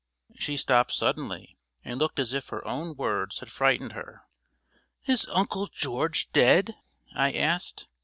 She stopped suddenly, and looked as if her own words had frightened her. "Is Uncle George dead?" I asked.